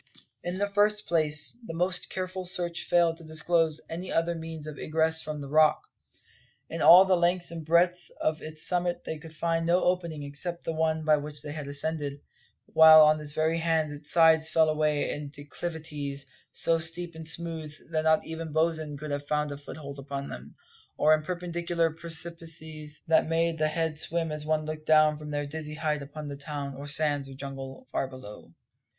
In the first place, the most careful search failed to disclose any other means of egress from the Rock. In all the length and breadth of its summit they could find no opening except the one by which they had ascended, while on every hand its sides fell away in declivities so steep and smooth that not even Bosin could have found a foothold upon them or in perpendicular precipices that made the head swim as one looked down from their dizzy height upon the town, or sands, or jungle, far below.